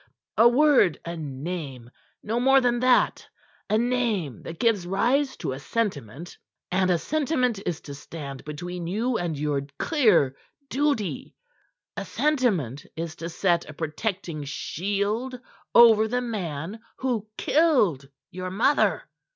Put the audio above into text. A word, a name no more than that; a name that gives rise to a sentiment, and a sentiment is to stand between you and your clear duty; a sentiment is to set a protecting shield over the man who killed your mother!